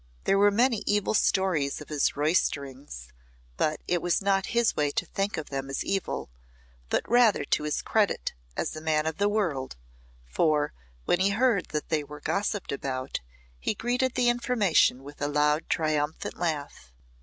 There were many evil stories of his roysterings, but it was not his way to think of them as evil, but rather to his credit as a man of the world, for, when he heard that they were gossiped about, he greeted the information with a loud triumphant laugh.